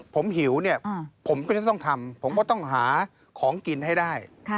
ผมหิวเนี่ยผมก็จะต้องทำผมก็ต้องหาของกินให้ได้